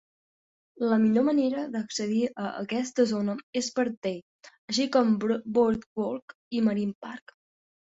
La millor manera d'accedir a aquesta zona és per Day, així com Boardwalk i Marine Park.